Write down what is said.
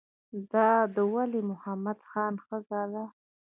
دا د ولی محمد خان ښځه ده.